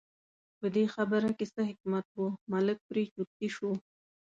په دې خبره کې څه حکمت و، ملک پرې چرتي شو.